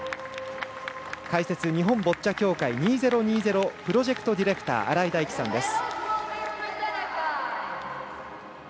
解説、日本ボッチャ協会２０２０プロジェクトディレクター新井大基さんです。